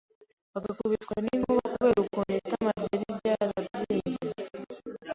bagakubitwa n’inkuba kubera ukuntu itama ryari ryarabyimbye,